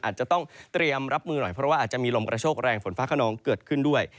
อาจจะต้องเตรียมรับมือหน่อยเพราะว่าอาจจะมีลมกระโชคแรงฝนฟ้าขนองเกิดขึ้นด้วย